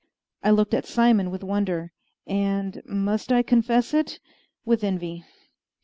I looked at Simon with wonder and must I confess it? with envy.